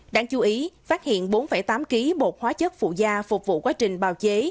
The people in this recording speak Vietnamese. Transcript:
đáng chú ý phát hiện bốn tám kg bột hóa chất phụ da phục vụ quá trình bào chế